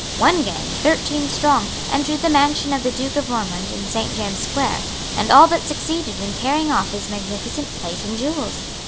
One gang, thirteen strong, entered the mansion of the Duke of Ormond in Saint James's Square, and all but succeeded in carrying off his magnificent plate and jewels.